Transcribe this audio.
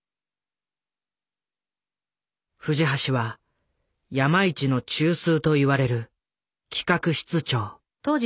藤橋は山一の中枢といわれる企画室長。